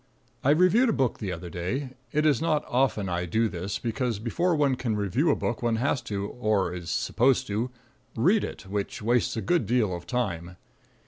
I reviewed a book the other day. It is not often I do this, because before one can review a book one has to, or is supposed to, read it, which wastes a good deal of time.